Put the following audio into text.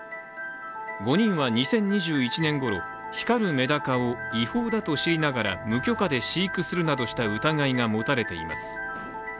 ５人は２０２１年ごろ、光るめだかを違法だと知りながら無許可で飼育するなどした疑いが持たれています。